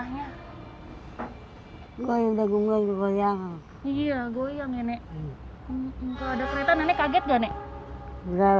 hai berbaring baring banget getar loh ini tanahnya goyang goyang iya goyang ini enggak